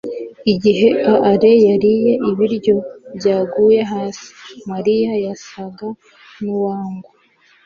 igihe alain yariye ibiryo byaguye hasi, mariya yasaga nuwangwa